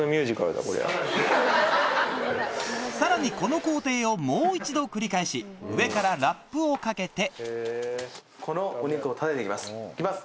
さらにこの工程をもう一度繰り返し上からラップをかけて行きます。